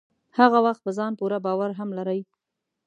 هغه وخت په ځان پوره باور هم لرئ.